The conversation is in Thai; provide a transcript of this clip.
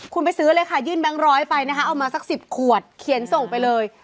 คุณไปซื้อเลยค่ะยื่นแบงค์ร้อยไปนะคะเอามาสัก๑๐ขวดเขียนส่งไปเลย